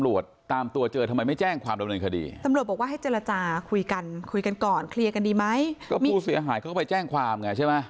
แล้วผู้เสียหายเขาก็ไปแจ้งความไงใช่ไหม